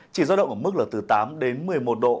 chỉ giao động ở mức là từ tám đến một mươi một độ